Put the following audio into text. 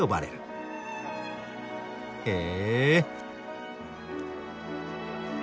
へえ。